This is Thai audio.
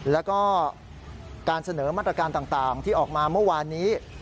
แล้วก็การเสนอมาตรการต่างที่ออกมาเมื่อวานนี้